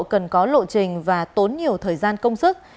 cần có lộ trình và tốn nhiều thời gian công sức